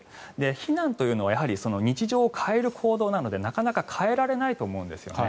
避難というのは日常を変える行動なのでなかなか変えられないと思うんですね。